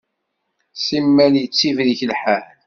Simmal yettibrik lḥal.